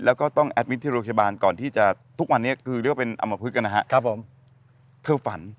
แล้วก็ต้องแอดมินที่โรคบาลก่อนที่จะทุกวันนี้คือเรียกว่าเป็นอำมะพึก